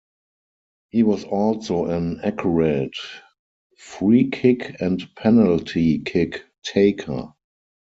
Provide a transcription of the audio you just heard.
He was also an accurate free-kick and penalty kick taker.